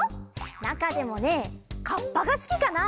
なかでもねカッパがすきかな。